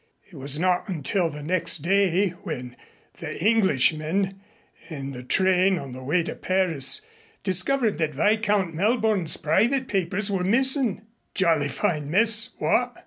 It was not until the next day when the Englishmen, in the train on the way to Paris, discovered that Viscount Melborne's private papers were missin'. Jolly fine mess what?